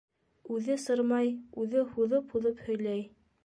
Үҙе сырмай, үҙе һуҙып-һуҙып һөйләй: